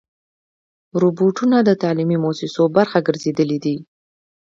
روبوټونه د تعلیمي مؤسسو برخه ګرځېدلي دي.